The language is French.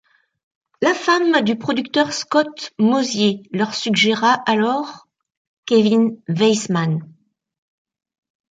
La femme du producteur Scott Mosier leur suggéra alors Kevin Weisman.